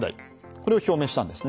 これを表明したんです。